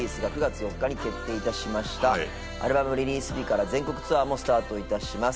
アルバムリリース日から全国ツアーもスタートいたします。